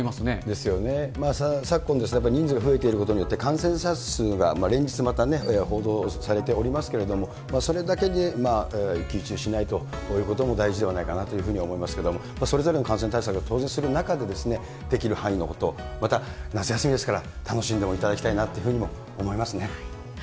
昨今、人数が増えていることによって、感染者数が連日またね、報道されておりますけれども、それだけで一喜一憂しないということが大事ではないかなというふうに思いますけれども、それぞれの感染対策を当然する中で、できる範囲のこと、また夏休みですから、楽しんでもいただきたいなというふうに思いますね。